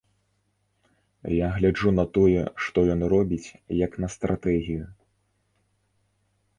Я гляджу на тое, што ён робіць, як на стратэгію.